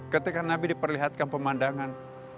ketika nabi diperlihatkan pemandangan